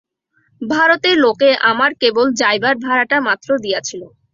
ভারতের লোকে আমার কেবল যাইবার ভাড়াটা মাত্র দিয়াছিল।